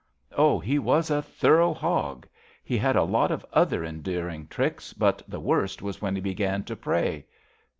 Oh, he was a thorough hog! He had a lot of other endearing tricks, but the worst was when he began to pray."